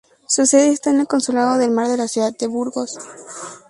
Su sede está en el Consulado del Mar de la ciudad de Burgos.